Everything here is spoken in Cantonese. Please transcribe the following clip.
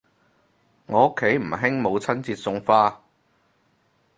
我屋企唔興母親節送花